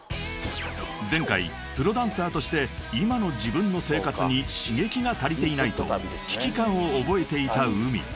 ［前回プロダンサーとして今の自分の生活に刺激が足りていないと危機感を覚えていたＵＭＩ］